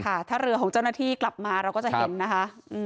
ถ้าเรือของเจ้าหน้าที่กลับมาเราก็จะเห็นนะคะ